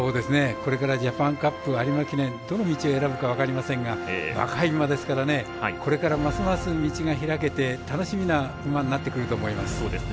これからジャパンカップ有馬記念どの道を選ぶか分かりませんが若い馬ですからこれからますます道が開けて、楽しみな馬になってくると思います。